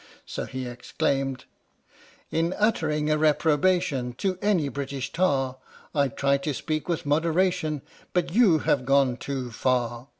So he exclaimed : In uttering a reprobation To any British Tar, I try to speak with moderation, But you have gone too far.